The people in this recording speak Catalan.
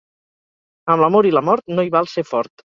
Amb l'amor i la mort no hi val ser fort.